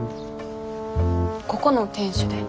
ここの店主で。